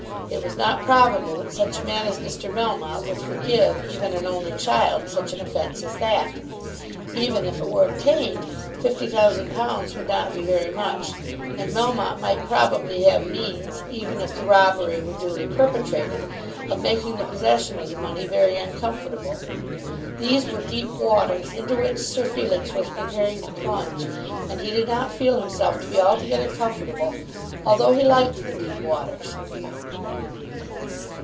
It was not probable that such a man as Mr. Melmotte would forgive even an only child such an offence as that. Even if it were obtained, £50,000 would not be very much. And Melmotte might probably have means, even if the robbery were duly perpetrated, of making the possession of the money very uncomfortable. These were deep waters into which Sir Felix was preparing to plunge; and he did not feel himself to be altogether comfortable, although he liked the deep waters.